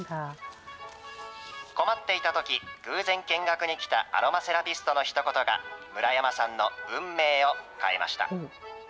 困っていたとき、偶然見学に来た、アロマセラピストのひと言が、村山さんの運命を変えました。